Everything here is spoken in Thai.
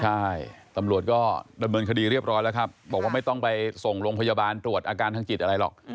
ใช่ตำรวจก็ดำเนินคดีเรียบร้อยแล้วครับบอกว่าไม่ต้องไปส่งโรงพยาบาลตรวจอาการทางจิตอะไรหรอก